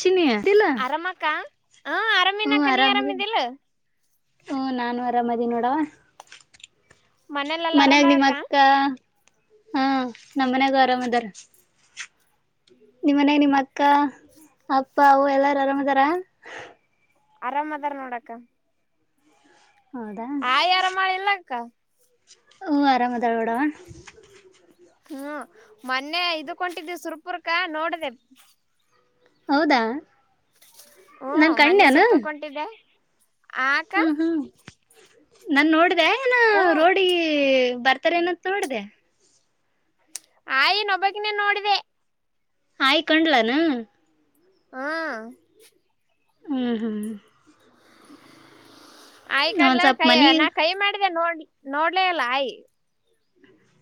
ಚಿನ್ನಿ ತಿನ್ನು ಹಾ ಅರಾಮಿನಕ ನೀ ಅರಾಮಿದಿಲ್ಲ ಹ್ಮ ನಾನು ಅರಾಮದಿ ನೋಡವಾ ಮನೇಲೆಲ್ಲ ಮನ್ಯಾಗ ನಿಮ್ಮ ಆರಾಮರಕ್ಕ ಅಕ್ಕ ಹಾ ನಮ್ಮನ್ಯಾಗು ಆರಾಮ ಅದರ ನಿಮ್ಮನೆಯಾಗ ನಿಮ್ಮ ಅಕ್ಕ ಅಪ್ಪ ಅವು ಎಲ್ಲಾರ ಆರಾಮದಾರ ಆರಾಮದಾರ ನೋಡಕ್ಕ ಹೌದಾ ಆಯಿ ಆರಮಹಳಿಲಕ್ಕ ಹ್ಮ್ ಆರಾಮಅದಳನೋಡವ್ವ ಹ್ಮ್ ಮೊನ್ನೆ ಇದು ಕೊಂಟಿದ್ದೆ ಸುರಪುರಕ ನೋಡದೆ ಹೌದಾ ಹ್ಮ ನನ್ ಮೊನ್ನೆ ಕಣ್ಣ್ಯನು ಸುರಪುರ ಒಂಟಿದೇ ಆ ಅಕ್ಕ ನನ್ ನೋಡ್ದ ಏನ ಹ್ಮ್ ರೋಡಿಗೆ ಬರ್ತಾರ ಏನಂತ ನೋಡಿದ್ಯಾ ಆಯಿನ ಒಬಾಕಿನೇ ನೋಡಿದೆ ಆಯಿಕಂಡ್ಲಿ ಏನೂ ಹಾ ಹ್ಮ್ ಹ್ಮ್ ಆಯ ಕಡ್ಲ ಒಂದ್ ಸ್ವಲ್ಪ ಕೈಯ ಮನಿ ನಾ ಕೈ ಮಾಡಿದೆ ನೋಡ್ ನೋಡ್ಲ ಅಲ್ಲ ಆಯಿ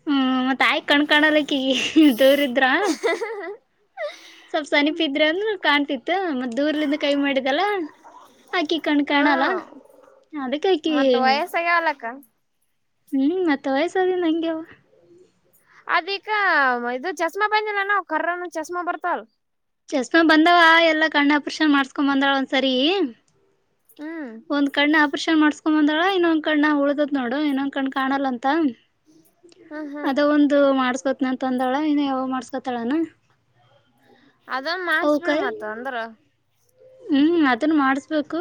ಹ್ಮ ಮತ್ತ ಆಯ್ ಕಣ್ಕಾಣಲ್ಲಕ್ಕಗಿ ದೂರ ಇದ್ರ ಸ್ವಲ್ಪ ಸನಿಪ ಹ್ಮ್ ಇದ್ರೆ ಅಂದ್ರೆ ಕಾಣ್ತಿತ್ತು ಮತ್ ದೂರ್ಲಿಂದ ಕೈ ಮಾಡಿದಲ್ಲ ಹಾಕಿ ಕಣ್ ಕಾಣಲ್ಲ ಅದಕ್ಕೆ ಹಕಿ ಮತ್ ವಯಸ್ಸಾಗ್ಯಾವಲಕ್ಕ ಹ್ಮ್ ಮತ್ತ ವಯಸ್ಸಾದಿಂದ ಹಂಗೆವ ಅದಕ್ಕ ಇದು ಚಸ್್ಮಾ ಬಂದಿಲ್ಲ ಅವ ಕರ್ರನ ಚಸ್್ಮಾ ಬರ್ತಾವಲ್ ಚಸ್ಮಾ ಬಂದಾವ ಎಲ್ಲಾ ಕಣ್ಣ ಅಪರ್ಷನ್ ಮಾಡ್ಸ್ಕೊ್ ಬಂದಳ ಒಂದ್ಸರಿ ಹ್ಮ್ ಒಂದ್ ಕಡ್್ಣ ಆಪರೇಷನ್ ಮಾಡ್ಸ್ಕೊ್ ಬಂದಳ ಇನ್ನೊಂದ್ ಕಣ್ಣ ಉಳ್ದದ ನೋಡು ಇನ್ನೊಂದ್ ಕಣ್ಣ ಕಾಣಲ್ಲ ಅಂತ ಹ್ಮ್ ಹ್ಮ್ ಅದ ಒಂದು ಮಾಡಸ್ಕೊತ್ನಂತ ಅಂದಳ ಇನ್ನು ಯಾವ ಮಾಡಸ್ಕೊತಾಳನಾ ಅದ ಮಾಡಸ್ ಬಿಿಡ ಮತ್ ಅಂದ್ರ ಹ್ಮ್ ಅದನ್ ಮಾಡಸ್ಬೇಕು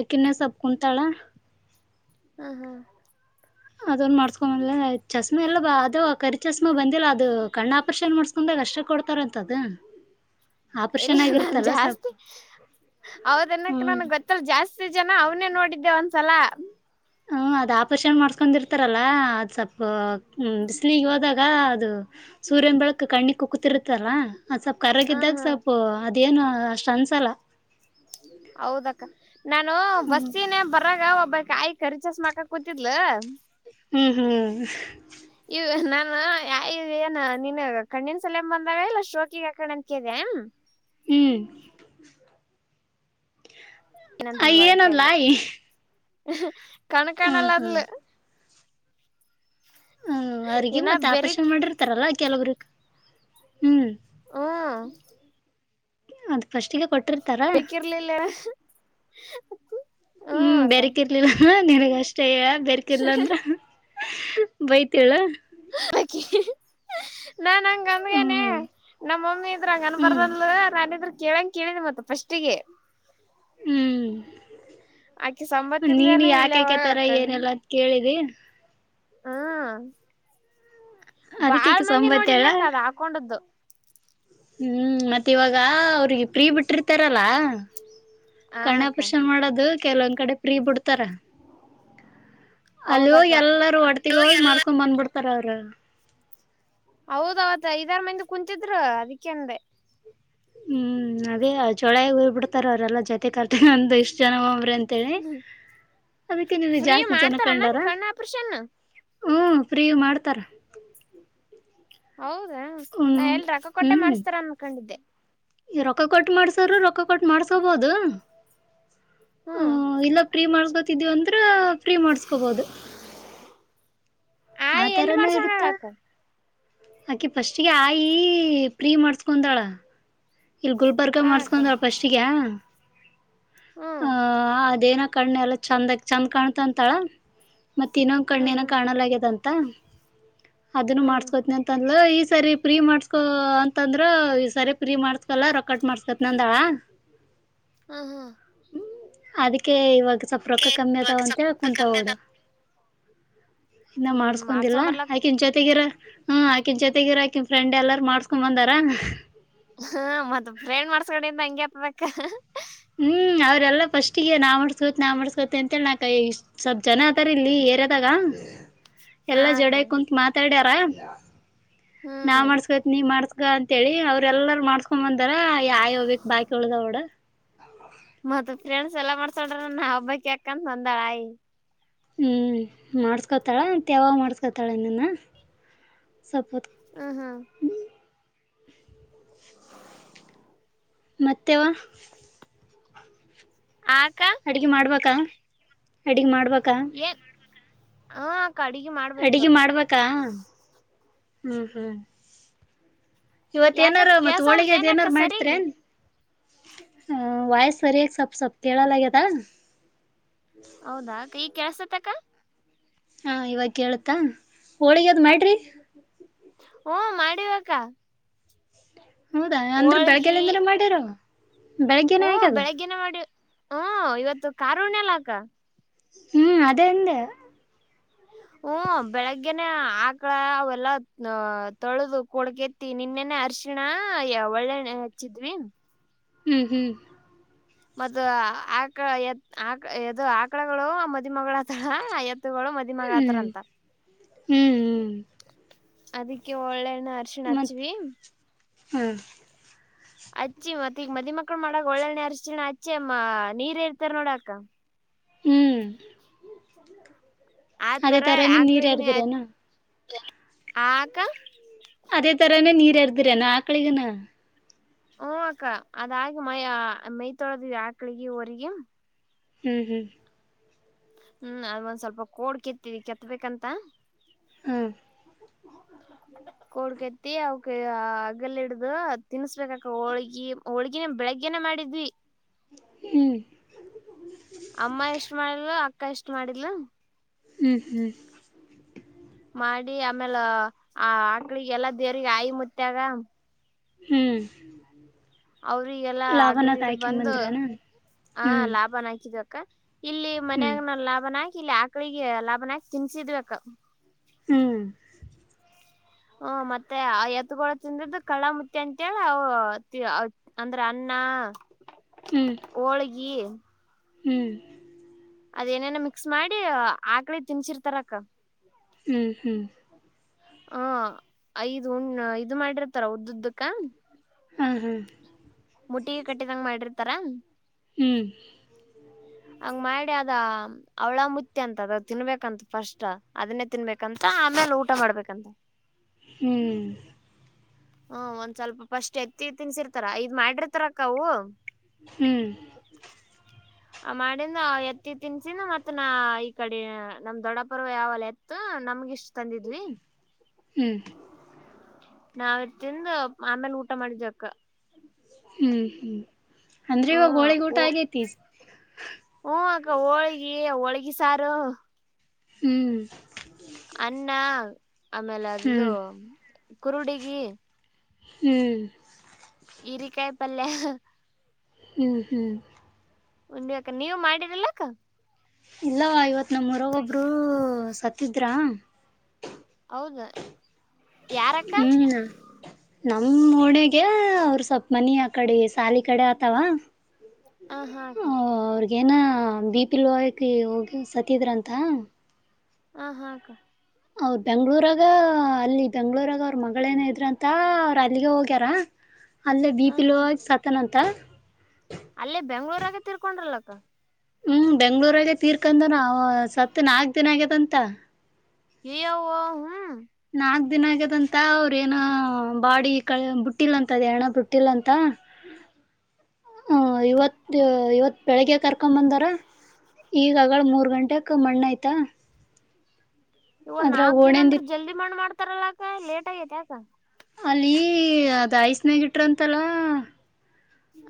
ಅಕ್ಕಿನ್ ಸಪ್ಪ ಕುಂತಾಳ ಹ್ಮ ಹಾ ಅದೊಂದ ಮಾಡ್ಸ್ಕೊ ಚಸ್್ಮೆ ಎಲ್ಲ ಅದು ಕರಿ ಚಸ್ಮಾ ಬಂದಿಲ್ಲ ಅದು ಕಣ್ಣ ಆಪರಷನ್ ಮಾಡಸ್ಕೊಂಡ ಕಷ್ಟ ಕೊಡ್ತಾರ ಅಂತದು ಆಪರಷನ್ ಆಗಿರ್ತ್ತಲ್ಲ ಸ್ವಲ್ಪ ಹೌದನ್ನಕ್ಕೆ ಹ್ಮ್ ನನ್ಗ್ ಗೊತ್ತಲ್ಲ ಜಾಸ್ತಿ ಜನ ಅವ್ನೇ ನೋಡಿದ್ದೆ ಒಂದ್ಸಲ ಹಞ ಅದು ಆಪರೇಷನ್ ಮಾಡಸ್ಕೊಂಡಿರ್ತಾರಲ್ಲ ಅದು ಸ್ವಲ್ಪ ಬಿಸಿಲಿಗೆ ಹೋದಾಗ ಅದು ಸೂರ್ಯನ ಬೆಳಗ್ ಕಣ್ಣಿ ಕುಗ್ತಿರುತ್ತಲ್ಲಾ ಅ್ ಸ್ವಲ್ಪ್ ಹ ಕರೋಗಿದ್ದಾಗ ಹಾ ಸ್ವಪ್ಪ ಅದೇಏನು ಅಷ್ಟ್ ಅನ್ಸಲ್ಲ ಹೌದಕ್ಕ ನಾನು ಹ್ಮ್ ಬಸ್ತಿನೇ ಬರಾಗ ಹಬ್ಬ ಕಾಯಿ ಕರಿಚಸ್ಮಾಹಾಕೊಂಡ ಕೂತಿದ್ಲ ಹ್ಮ್ ಹ್ಮ್ ಇವ ನಾನ ಏನ ನೀನ್ ಕಣ್ಣಿನ ಸಲಮ್ ಬಂದಾಗ ಇಲ್ಲ ಶೋಕಿಿಗೆಾಕೊಂಡ ಅನ್ ಕೇಳಿದೆ [inaudible] ಹ್ಮ್ ಐ ಏನಅಂದ್ಲ ಆಯಿ ಕಣಕಣಲ್ಲ ಅಲ್ಲ ಹ್ಮ ಅವಿಗೆ ಇನ್ನ ಮತ್ ಬೆರಿಕ್ ಆಪರೇಷನ್ ಮಾಡಿರ್ತಾರಲ್ಲ ಕೆಲವ್ರ ಹ್ಮ್ ಹ ಅದ್ ಫಸ್ಟ್ಿಗೆ ಕೊಟ್ಟ ಬಕ್ಕಿರಲಿಲ್ಲ ಹ್ಮ್ ಬೆರ್ಕಿರ್ಲಿಲ್ಲ ನನ್ಗ ಅಷ್ಟೇ ಬರ್ಕಿರ್ಲಂದ್ರ ಬೈತಿಲ್ [inaudible] ನಾನ್ ಹಂಗ ಗಮ್ಗನನೆ ಹ್ಮ್ ನಮ್ಮ ಮಮ್ಮಿ ಇದ್ರಂಗನ್ ಹ್ಮ್ ಬರ್ದಲ್ ನಾನಿದ್ರ ಕೇಳಂಗ ಕೇಳಿದ ಮತ್ತ ಫಸ್ಟ್ಿಗೆ ಹ್ಮ್ ಆಕಿ ಸಂಬತ್ ನೀನು ಇಲ್ಲೇನು ಇಲ್ಲವ ಯಾಕಕೆ ತರ ಏನೆಲ್ಲಾ ಅಂತ ಕೇಳಿದಿ ಹಾ ಬಾಳ್ ಅದಕ್ಕೆಕ್ಕೆ ಮಂದಿ ಸಂಬತ್ತಳ ನೋಡಿದ್ಯಾಕದ ಹಾಕೊಂಡದ್ದು ಹ್ಮ್ ಮತ್ತೆ ಇವಾಗ ಅವ್ರಿಗೆ ಪ್ರೀ ಬಿಟ್ಟಿರ್ತಾರಲ್ಲ ಆ ಅಕ್ಕ ಕಣ್ಣಪರ್ಷನ್ ಮಾಡದು ಕೆಲವೊಂದ್ ಕಡೆ ಪ್ರೀ ಬಿಡ್ತ ತಾರ ಅಲ್ಲಿ ಹೌದಕ್ಕ ಹೋಗಿ ಎಲ್ಲಾರೂ ಒಟ್ಟತಿಗ ಹೋಗಿ ಮಾಡಸ್ಕೊಂಡ್ ಬಂದ್ಬಿಡ್ತಾರ ಅವರು ಹೌದ್ ಅವತ್ ಐದಾರ ಮಂದಿ ಕುಂತಿದರು ಅದಕ್ಕೆಂದೆ ಹ್ಮ್ ಅದೇ ಜೋಳ ಹೋಗ್ ಬಿಡ್ತಾರ ಅವ್ರೆಲ್ಲಾ ಜೊತೆ ಕರ್ತಂದ ಇಷ್ಟ್ ಜನ ಅಂತಿ ಅದಕ್ಕೆ ನೀಗೆ ಫ್ರೀ ಜಾಸ್ತಿ ಜನ ಮಾಡ್ತಾರ ಅನ್ನಕ ಕಂಡಾರ ಕಣ್ಣ ಆಪರೇಷನ್ ಹ ಫ್ರೀ ಮಾಡ್ತಾರ ಹೌದಾ ನಾ ಹ್ಮ್ ಎಲ್ ರೊಕ್ಕ ಕೊಟ್ಟೆ ಮಾಡ್ಸ್ತಾರ ಅನ್ಕೊಂಡಿದ್ದೆ ಈ ರೊಕ್ಕ ಕೊಟ್ಟು ಮಾಡ್ಸ್ರ ರೊಕ್ಕ ಕೊಟ್ಟು ಮಾಡ್ಸೋಬಹದು ಹ ಹ್ಮ್ ಇಲ್ಲು ಪ್ರೀ ಮಾಡಬೇಕು ಅಂದ್ರ ಫ್ರೀ ಮಾಡಸ್ಕೋಬೋುದು ಆ ಆಯ್ ಎಲ್ಲಿ ತರಾನೂ ಇರುತ್ತ ಮಾಡ್ಸೋಣಕ್ಕ ಅಕಿ ಪಫಸ್ಟ್ಗೆ ಆಯಿ ಪ್ರೀ ಮಾಡಸ್ಕೊಂದಾಳ ಇಲ್ ಗುಲ್ಬರ್ಗ ಆ ಅಕ್ಕ ಮಾಡ್ಸ್ಕೊಂಡ್ರ ಪಫಸ್ಿಗ ಹ್ಮ್ ಆ ಅದೇನ ಕಣ್ಣೆ ಎಲ್ಲ ಚಂದಾಗ ಚೆಂದ ಕಾಣ್ತಂತಾಳ ಮತ್ತ ಇನ್ನೊಂದ ಹ್ಮ್ ಕಣ್ಣೆನ ಹ್ಮ್ ಕಾಣಲ್ ಆಗ್ಯದಂತ ಅದನ್ನು ಹ್ಮ್ ಮಾಡ್ಸ್ಕೋತನಿ ಅಂತ ಈ ಸರಿ ಪ್ರೀ ಮಾಡ್ಸ್ಕೊ ಅಂತಂದ್ರ ಈ ಸರಿ ಪ್ರೀ ಮಾಡ್ಸ್ಕೊ ಸಲ ರೊಕ್ಕಟ್ ಮಾಡ್ಸ್ತೇತ್ ನಂದಳ ಹ ಹಾ ಅದಕ್ಕೆ ಇವಾಗ ಸ್ವಲ್ಪ ರೊಕ್ಕ ಕಮ್ಮಿ ಇವಾಗ ಅದಾವ ಸ್ವಲ್ಪ ಅಂತ ರೊಕ್ಕ ಕುೂತ ಕಮ್ಮಿ ಹೋಡು ಅದ ಇನ್ನ ಹ್ಮ್ ಮಾಡ್ಸ್ಕೊಂಡಿಲ್ಲಾ ಮಾಡ್ಸೊಂಬರ್ಲಕ್ ಅಯ್ಕೆ ಇನ್ ಜೊತೆಗಿರ ಹ್ಮ್ ಆಾಕಿನ್ ಜೊತೆಗಿರ ಆಾಕಿನ್ ಫ್ರೆಂಡ್ ಎಲ್ಲಾರು ಮಾಡ್ಸ್ಕೊೊಂಡ್ ಬಂದಾರ ಅದು ಪ್ರ್ರೇಂಡ್ ಮಾಡಸ್ಕಡಿಂದ ಹಂಗೆ ಹತ್ಬೇಕ ಲ್ಲ ಫಸ್ಟ್ಿಗೆ ನಾ ಮಾಡಡ್ಸ್ಕೊತ್ ನಾ ಮಾಡಸ್ಕೋತಿ ಅಂತೇಳಿ ನಾಕ ಇಷ್ಟ್ ಸ್ವಲ್ಪ ಜನ ಅತಾರ ಇಲ್ಲಿ ಏರ್ದಾಗ ಹ ಎಲ್ಲಾ ಜಡ ಅಕ್ಕ ಕುತ್ ಮಾತಾಡ್ಯಾರ ನಾ ಹ್ಮ್ ಮಾಡಸ್ಕೇತ್ ನೀ ಮಾಡ್ಸ್ ಅಂತ ಹೇಳಿ ಅವ್ರೆಲ್ಲಾರ ಮಾಡ್ಸ್ಕೊ ಬಂದಾರ ಯಾ ಹ್ಬೇಕಕ್ ಬಾಕಿ ಉಳ್ದ ಅವಡ ಮತ್ತತ್ ಫ್ರೆಂಡ್ಸ್ ಎಲ್ಲಾ ಮಾಡ್ಸೋಳ್ರ ನಾ ಹಬ್ಬಕ್ ಯಾಕಂತ ಬಂದಾಳಯ ಹ್ಮ್ ಮಾಡಸ್ಕೋತಾಳತ್ಯಾವಾಗ ಮಾಡಸ್ಕೊತಾಳ ಇನ್ನನ್ನ ಹ ಹಾ ಮತ್ತೆ ಆಕ ಅಡ್ಗೆ ಮಾಡ್ಬೇಕಾ ಅಡ್ಗ್ ಮಾಡ್ಬ ಏನ್ ಹ ಅಡಿಗೆ ಮಾಡ್ಬೇಕು ಅಡುಗೆ ಮಾಡ್ಬೇಕಾ ಹ್ಮ್ ಹ್ಮ್ ಇವತ್ ಏನಾರ ಯಾಕಕ್ಕ ಮತ್ತತ್ ಕೆಲ್ಸ ಹೋಳಿಗೆದ್ ಅಲ್ತೇನಕ್ಕ ಏನಾರು ಸರಿಗಿ ಮಾಡ್ತ್ರನ್ ಹ ವಾಯಸ್ ಸರಿ ಸ್ವಲ್ಪ್ ಸ್ವಲ್ಪ್ ಕೇಳಲ್ಲ ಹೌದಾ ಕ ಈ ಕೆಲ್ಸತ್ತಕ ಹಾ ಇವಾಗ ಕೇಳತಾ ಹೋಳಿಗದ್ ಮಾಡ್ರಿ ಹಓ ಮಾಡಿವಕ್ಕ ಹೌದಾ ಅಂದ್ರೆ ಬೆಳಗ್ಗೆಯಂದ್ರೆ ಮಾಡ್ಯಾರ ಹಓ ಬೆಳಗ್ಗಿನ ಮಾಡಿ ಹ್ಮ ಇವತ್ತು ಕಾರುಣ್ಯ ಯಲ್ಲಾಕ್ಕ ಹ್ಮ್ ಅದೆಂದ ಹ್ಮ ಬೆಳಗ್ಗೆನೆ ಆಕಳ ಅವೆಲ್ಲ ತೊಳೆದು ಕೊಡ್ಕತ್ತಿ ನಿನ್ನೆನೆ ಅರ್ಶಿಣ ಒಳ್ಳೆಣ್ಣೆ ಹಚ್ಚಿದ್ವಿ ಹ್ಮ್ ಹ್ಮ್ ಮತ್ತ ಆಕ ಎತ್ ಆ ಎದು ಆಕಳಗಳು ಮದಮಗಳತ್ತಳ ಎ ಗಳು ಹ್ಮ್ ಮದಮಗಾತರಂತ ಹ್ಮ್ ಹ್ಮ್ ಅದಿಕ್ಕೆ ಒಳ್ಳೆಣ್ಣ ಅರ್ಶಿಣ ಹಚ್ಚಿವಿ ಹ್ಮ್ ಅಚ್ಚಿ ಮತ್ತ ಈಗ ಮದಿಮಕ್ಳು ಮಾಡಕ್ ಒಳ್ಳೆನ ಅರಿಶಿನ ಅಚ್ಚ ಅಮ್ಮ ನೀರ್ ಇರ್ತಾರ ನೋಡ ಅಕ್ಕ ಹ್ಮ್ ಅದೇ ತರಾನ ನೀರ್ ಯಾರ್ದ್ರನಾ ಏನು ಹಾ ಆಕ್ಕ ದ್ರನು ಏನು ಅಕಾಲಿಗುನು ಹಓ ಅಕ್ಕ ಅದಾಗಿ ಮೈಯ ಮೈಯ್ ತೊಳದ ಆಕಳಿಗೆ ಹೊರಗು ಹ್ಮ್ ಹ್ಮ್ ಹ್ಮ್ ಅದ ಒಂದ್ ಸ್ವಲ್ಪ ಕೋಡ್ ಕೆತ್ತವಿ ಕೆತ್ತಬೇಕಂತ ಹ್ಮ್ ಅತ್ತೇ ಅವಕ ಹಗಲ್ಲಿ ಇಾಡದು ತಿನ್ಸಬೇಕಕ್ಕ ಹೋಳ್ಗಿ ಹೋಳ್ಗಿನ ಬೆಳಗ್ಗೆನ ಮಾಡಿದ್ವಿ ಹ್ಮ್ ಅಮ್ಮ ಎಷ್ಟ್ ಮಾಡಿದ್ಲು ಅಕ್ಕ ಎಷ್ಟ್ ಮಾಡಿದ್ಲು ಹ್ಮ್ ಹ್ಮ್ ಮಾಡಿ ಆಮೇಲೆ ಆ ಅಕ್ಲಿಗೆಲ್ಲ ದೇವರಿಗೆ ಆಾಯಿ ಮತ್ಯಾಗ ಹ್ಮ್ ಅವ್ರಿಗೆಲ್ಲ ಆಗಲಿ ಲಾಭನಾಥ್ ಹಿಡ್ದ್ ಬಂದು ಆಯ್ಕೊಂಬಂದ್ರನ ಆ ಹ್ಮ್ ಲಾಭನಾ ಅಚಿದಿವಿ ಅಕ್ಕ ಇಲ್ಲಿ ಹ್ಮ್ ಮನ್ಯಾಗನ ಲಾಭನಾಕ ಇಲ್ಲಿ ಆಕಳಿಗೆ ಲಾಭನಕ ತಿನ್ಸಿದೀವಿ ಅಕ್ಕ ಹ್ಮ್ ಹ್ಮ ಮತ್ತೆ ಎತ್ಗೋಳ ತಿಂದದ್ದು ಕಳಮುತ್ತಿ ಅಂತೇಳಿ ಅಂದ್ರೆ ಅನ್ನ ಹ್ಮ್ ಹ್ಮ್ ಹೋಳಿಗೆ ಹ್ಮ್ ಅದೇನೇನ ಮಿಕ್ಸ್ ಮಾಡಿ ಆಕ್ಳಿ ತಿನ್ಸಿರ್ತಾರಕ್ಕ ಹ್ಮ್ ಹ್ಮ್ ಹ ಐದು ಉಣ ಇದು ಮಾಡಿರ್ತಾರ ಉದು ಉದ್ದುಕ ಹ್ಮ್ ಹ್ಮ್ ಮುಟ್ಟಿಗೆ ಕಟ್ಟಿದಂಗ ಮಾಡಿರ್ತಾರ ಹ್ಮ್ ಹಂಗ ಮಾಡಿ ಅದ ಅವಳ ಮುತ್ತಿ ಅಂತ ಅದ ತಿನ್ಬೇಕಂತ ಫಸ್ಟ್ ಅದನ್ನೇ ತಿನ್ಬೇಕಂತ ಹ ಆಮೇಲೆ ಊಟ ಮಾಡ್ಬೇಕಂತ ಹ್ಮ್ ಹ್ಮ ಒಂದ್ ಸ್ವಲ್ಪ ಫಸ್ಟ್ ಎತ್ತಿ ತಿನ್ಸಿರ್ತಾರ ಐದು ಮಾಡಿರ್ತಾರಕ್ಕವು ಹ್ಮ್ ಆ ಮಾಡಿಂನ ಎತ್ತಿ ತಿನ್ಸಿಂದ ಮತ್ ನ ಈ ಕಡೆ ನಮ್ ದೊಡ್ಡಪ್ಪ ಅವ್ರು ಯಾವಲ್ಲ ಎತ್ತು ನಮ್ಗೆ ಇಷ್ಟ್ ತಂದಿದ್ವಿ ಹ್ಮ್ ನಾವ ಇಟ್ಟು ತಿಂದು ಆಮೇಲೆ ಊಟ ಮಾಡ್ತೀವಿ ಅಕ್ಕ ಹ್ಮ್ ಹ್ಮ್ ಅಂದ್ರೆ ಇವಾಗ ಹ್ಮ ಹೋಳಿಗೆ ಊಟ ಓ ಆಗೇತಿ ಹ ಅಕ್ಕಾ ಹೋಳಿಗೆ ಒಳಗಿ ಸಾರು ಹ್ಮ್. ಅನ್ನ ಆಮೇಲೆ ಅದದು ಹ್ಮ್ ಕುರುಡಿಗಿ. ಹ್ಮ್. ಹೀರೆಕಾಯಿ ಪಲ್ಯ ಹ್ಮ್ ಹ್ಮ್ ಉಂದ್ವಕ ನೀವ ಮಾಡಿರಿಲ್ಲ ಅಕ್ಕ ಇಲ್ಲ ಇವತ್ ನಮ್ಮೂರು ಗ ಒಬ್ರು ಸತ್ತಿದ್ರ ಹೌದ ಯಾರಕ್ಕ ನಮ್ಮ್ ಒನೆಗೆ ಅವ್ರ ಸ್ವಲ್ಪ ಮನಿ ಆ ಕಡೆ ಸಾಲಿ ಕಡೆ ಆತಾವ ಹ ಹಾಗ ಏನ ಬಿಪಿ ಲೋ ಆಗೈತೆ ಹೋಗಿ ಸತಿದ್ರಂತ ಹ ಹಾಕ್ಕ ಅವರು ಬೆಂಗಳೂರು ಆಗ ಅಲ್ಲಿ ಬೆಂಗಳೂರು ಆಗ ಅವ್ರ ಮಗಳೇನ ಇದ್ರಂತ ಅವ್ರ ಅಲ್ಲಿಗೆ ಹೋಗ್ಯಾರ. ಅಲ್ಲೇ ಹ ಬಿಪಿ ಹಾ ಲೋ ಅಕ್ಕ ಆಗಿ ಸತನ್ಂತ. ಬೆಂಗಳೂರು ನಾಗೆ ತಿರ್ಕೊಂಡ್ರಲ್ಲಕ್ಕ. ಹ್ಮ್ ಬೆಂಗಳೂರುನಾಗೇ ತೀರ್ಕಂದನ ಸತ್ ನಾಲ್ಕ ದಿನ ಆಗ್ಯದಂತ. ಯೋ ಹ್ಮ್. ನಾಲ್ಕು. ದಿನ ಆಗ್ಯದಂತ ಅವ್ರ ಏನ ಬಾಡಿ ಕ ಬುಟ್ಟಿಲ್ಲಂತ ಅದ ಹಣ ಬುಟ್ಟಿಲ್ಲಂತ. ಹ ಇವತ್ತು ಇವತ್ ಬೆಳಿಗ್ಗೆ ಕರ್ಕೊಂಡು ಬಂದಾರ. ಈಗಗಳ ಮೂರ್ ಗಂಟಕ್ ಮಣ್ಣ ಆಯ್ತಾ. ಇವ ಅದ್ರಾಗ ನಾಕ್ ದಿನ ಓಣೆಂದಿ ಅಂದ್ರ ಜಲ್ದಿ ಮಣ್ ಮಾಡ್ತಾರಲ್ಲ ಅಕ ಲೇಟ್ ಆಗೈತಿ ಯಕ. ಅಲ್ಲಿ ಅದು ಐಸ್ನಾಗೆ ಇಟ್ರಂತಲ್ಲ.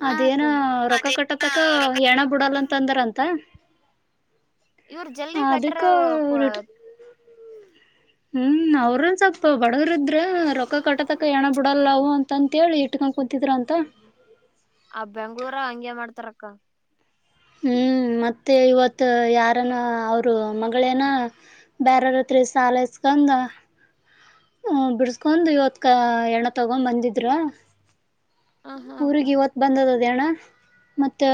ಹ ಅದೇನ ಅಕ್ಕ ರೊಕ್ಕ ಅದೇ ಕಟ್ಟತಕ್ಕ ರೊಕ್ಕ ಹೆಣ ಬಿಡಲ್ಲ ಅಂತಂದಾರಂತ. ಇವ್ರ ಜಲ್ದಿ ಕಟ್ಟ್ರ ಅದಕ್ಕ. ಹ್ಮ್ ಅವ್ರನ್ ಸ್ವಲ್ಪ ಬಡಗರಿದ್ರ ರೊಕ್ಕ ಕಟ್ಟತಕ ಹೆಣ ಬಿಡಲ್ಲಾವು ಅಂತ ಅಂತೇಳಿ ಇಟ್ಕೊಂಡ. ಕೂತಿದ್ರ ಅಂತ. ಆ ಬೆಂಗ್ಳೂರ ಹಂಗೆ ಮಾಡ್ತಾರಕ್ಕ ಹ್ಮ್. ಮತ್ತೆ ಇವತ್ ಯಾರನ ಅವರು ಮಗಳೇನ ಬೇರಾರತ್ರ ಸಾಲ ಈಸ್ಕೊಂ. ತಂದ. ಹ್ಮ ಬಿಡಸ್ಕೊಂಡ್ ಇವತ್ಕ ಎಣ್ಣ ತಗೊಂಡ್ ಬಂದಿದ್ರ. ಹ ಹಾ ಅಕ್ಕ ಊರಿಗೆ ಇವತ್ತು ಬಂದದ ಅದೇ ಹೆಣ ಮತ್ತೆ.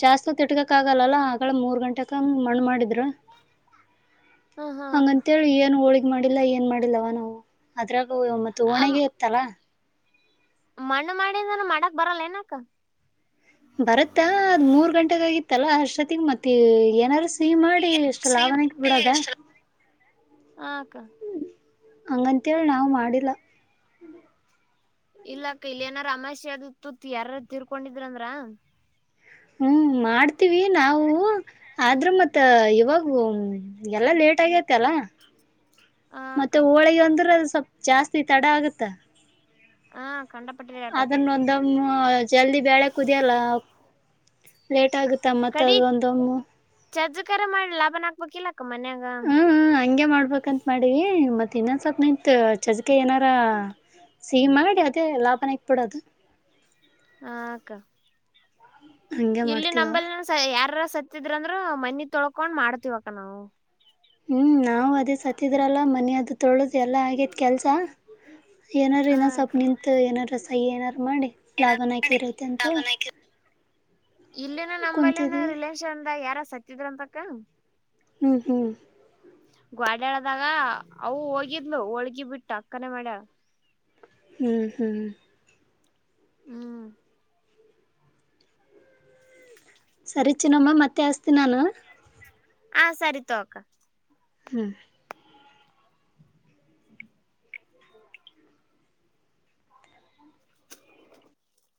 ಜಾಸ್ತಿ ತ ತಿಟ್ಕಕ್ ಆಗಲ್ಲ ಆಗಳ ಮೂರ್ ಗಂಟೆ ಮಣ್ಣ ಮಾಡಿದ್ರ. ಹ ಹಾ ಅಕ್ಕ ಹಂತೇಳಿ ಏ ಹೋ. ಮಾಡಿಲ್ಲ ಏನ್ ಮಾಡಿಲ್ಲವ ನಾವು ಅದ್ರಾಗ ಮತ್ತ ಓಣೆೆಗೆ ಇತ್ತಲ್ಲಾ. ಮಣ್ಣು ಮಾಡಿ ಅ್ರ ಮಾಡಕ್ ಬರಲ್ಲ ಏನಕ್. ಬರತ್ತಾ ಅದ್ ಮೂರ್ ಗಂಟೆಗ ಆಗಿತ್ತಲ್ಲ ಅಷ್ಟೊತ್ತಿಗೆ ಮತ್ತೆ ಏನಾರ. ಸಿ ಮಾಡಿ ಎಷ್ಟು ಲಾಭನಕ್ ಬಿಡದ. ಸಿ ಹ ಅಕ್ಕ ಹಂಗಂತೇಳಿ ನಾವು ಮಾಡಿಲ್ಲ. ಇಲ್ಲಾಕ್ಕ ಇಲ್ಲ ಏನಾರ ಅಮಾಷೆ ಅದುತ್ತು ಯಾರ ತಿರ್ಕೊಂಡಿದ್ರಂದ್ರ. ಹ್ಮ್ ಮಾಡ್ತೀವಿ ನಾವು ಆದ್ರೂ ಮತ್ತ ಇವಾಗ ಎಲ್ಲ. ಲೇಟ್ ಆಗತಿ ಅಲ್ಲ. ಅಕ್ಕ ಮತ್ತೆ ಹೋಳಿಗೆ ಅಂದ್ರೆ ಅದು ಸ್ವಲ್ ಜಾಸ್ತಿ ತಡ ಆಗತ್ತ. ಹಾ. ಕಂಡಪಟ್ಟಿ ರೇಟ್ ಆತಕ್ಕ ಅದನ್ನೊಂದಮ್ಮ ಜಲ್ದಿ ಬಳೆ ಕುದಿಯಲ್ಲ ಲೇಟ್ ಆಗ. ತ್ತಮ್ಮತ್ ಅದ ಒಂದಮ್ಮ. ಚಜ್ಜ ಕರ ಮಾಡಿಿಲ್ಲ ಲಾಭನ್ ಹಾಕ್ಬೇಕಿಲ್ಲ. ಅಕ್ಕ ಮನ್ಯಾಗ ಹ್ಮ್ ಹಗೆ ಮಾಡ್ಬೇಕಂತತ್ ಮಾಡೀಿ ಮತ್ತೆ. ತಿಿನಸತ್ನತ್ ಜಕೆ ಇನ. ಸಿಹ ಮಾಡಿ ಅದೇ ಲಾಭನಕ್ ಬಿಿಡದು. ಹಕ್ಕ ಹ ಇಲ್ಲಿ ನಂಬಲ್ಲಿ ನ ಯಾರಾರ ಸತ್ತಿದ್ರ ಅಂದ್ರರು ಮನಿ ತೊಳ್ಕೊಂಡ್ ಮಾಡ್ತಿವಕ್ಕ ನಾವು ಹ್ಮ್ ನಾವವು ಅದೇ ಸತ್ತಿದ್ರಲ್ಲ ಮನ ಅದು ತೊಳದು್ ಎಲ್ಲ ಆಗೇತ್ ಕೆಲ್ಸ. ಏನಾರು ಹ ನ ಸಪ್ ಅಕ್ಕ ನಿಂತು ಏನಾರ ರಸಾಯ ಏನಾರು. ಮಾಡಿ ಲಾಭನ ಹಾಕಿದ್ರಐತೆ ಅಂತ ಹೇಳಿ. ಇಲ್ಲಿನ ನಂಬಲ್ಲಿನ ರಿಲಷನ್ದ ಯಾರ ಸತ್ತಿದ್ರ ಅಂತಕ್ಕ. ಹ್ಮ್ ಹ್ಮ್. ಗಾಡ್ಯಾಳದಾಗ ಅವು ಹೋಗಿದ್ಲು ಹೋಳ್ಗಿ ಬಿಟ್ಟು ಅಕ್ಕನ ಮಾಡ್ಯಾಳ. ಹ್ಮ್ ಹ್ಮ್. ಹ್ಮ್ [inaudible] ಸರಿ ಚಿನಮ್ಮ ಮತ್ತೆ ಹಸ್ತೀ ನಾನು. ಹ ಸರಿ ತೋಕ ಹ್ಮ್